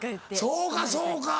そうかそうか。